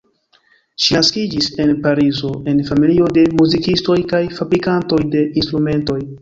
Ŝi naskiĝis en Parizo en familio de muzikistoj kaj fabrikantoj de instrumentoj.